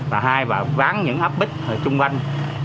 và hai là ván những áp bích thời chung quanh